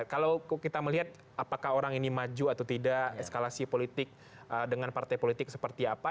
kalau kita melihat apakah orang ini maju atau tidak eskalasi politik dengan partai politik seperti apa